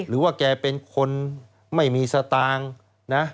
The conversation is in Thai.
หรือว่าแกเป็นคนไม่มีสตางค์นะ